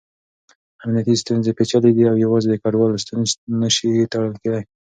امنیتي ستونزې پېچلې دي او يوازې د کډوالو شتون سره نه شي تړل کېدای.